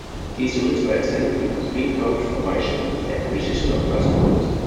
These units were extended into three-coach formations with the acquisition of further units.